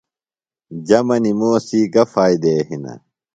جمہ نِموسی گہ فائدے ہِنہ؟